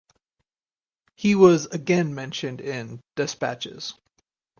He was again mentioned in despatches.